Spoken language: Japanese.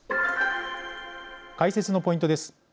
解説のポイントです。